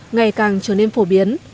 ngày càng trở nên phổ biến